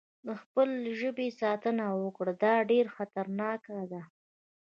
د خپل ژبې ساتنه وکړه، دا ډېره خطرناکه ده.